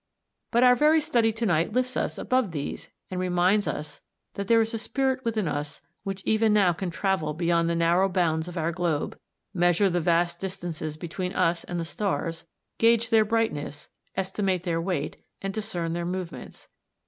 But our very study to night lifts us above these and reminds us that there is a spirit within us which even now can travel beyond the narrow bounds of our globe, measure the vast distances between us and the stars, gauge their brightness, estimate their weight, and discern their movements.